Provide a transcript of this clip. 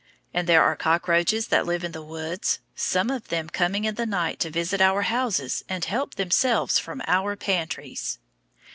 And there are cockroaches that live in the woods, some of them coming in the night to visit our houses and help themselves from our pantries.